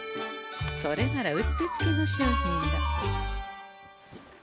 それならうってつけの商品が。